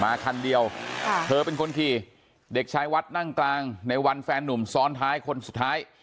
คันเดียวเธอเป็นคนขี่เด็กชายวัดนั่งกลางในวันแฟนนุ่มซ้อนท้ายคนสุดท้าย